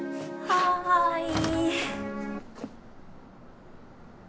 はい。